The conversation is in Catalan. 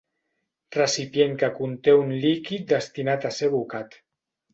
Recipient que conté un líquid destinat a ser abocat.